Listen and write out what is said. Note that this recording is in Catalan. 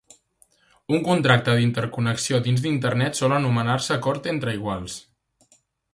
Un contracte d'interconnexió dins d'Internet sol anomenar-se acord entre iguals.